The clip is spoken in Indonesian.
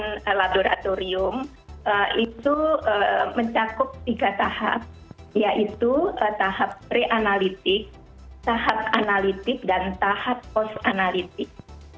pemeriksaan laboratorium itu mencakup tiga tahap yaitu tahap pre analitik tahap analitik dan tahap post analitik